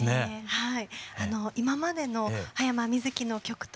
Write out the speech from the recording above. はい。